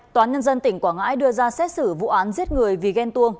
tòa nhân dân tỉnh quảng ngãi đưa ra xét xử vụ án giết người vì ghen tuông